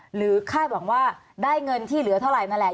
คาดหวังว่าได้เงินที่เหลือเท่าไหร่นั่นแหละ